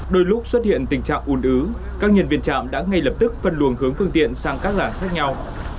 đôi lúc xuất hiện tình trạng ủn ứ các nhân viên trạm đã ngay lập tức phân luồng hướng phương tiện sang các làng khác nhau